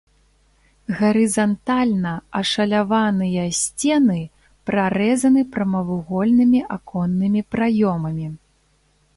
Гарызантальна ашаляваныя сцены прарэзаны прамавугольнымі аконнымі праёмамі.